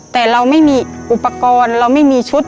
แต่เราไม่มีอุปกรณ์เราไม่มีชุด